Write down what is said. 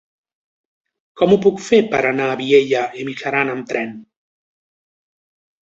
Com ho puc fer per anar a Vielha e Mijaran amb tren?